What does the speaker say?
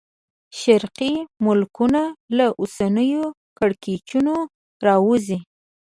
شرقي ملکونه له اوسنیو کړکېچونو راووځي.